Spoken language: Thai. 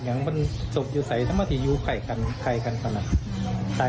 อย่างมันสุดอยู่ใส่มันคืออยู่ไกลก็นไกลก็นฝันสี